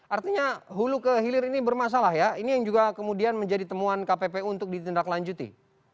artinya hulu ke hilir ini bermasalah ya ini yang juga kemudian menjadi temuan kppu untuk ditindaklanjuti